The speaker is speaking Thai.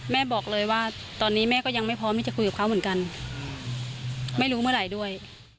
แม่บอกเลยว่าตอนนี้แม่ก็ยังไม่พร้อมที่จะคุยกับเขาเหมือนกันไม่รู้เมื่อไหร่ด้วย